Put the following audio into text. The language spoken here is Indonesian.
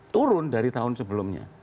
turun dari tahun sebelumnya